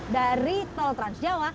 dari tol trans jawa